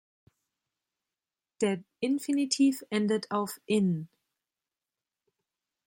Der Infinitiv endet auf -in.